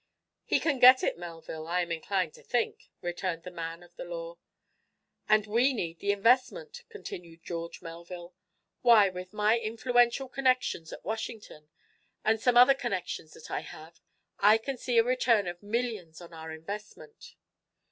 "He can get it, Melville, I am inclined to think," returned the man of the law. "And we need the investment," continued George Melville. "Why, with my influential connections at Washington, and some other connections that I have, I can see a return of millions on our investment."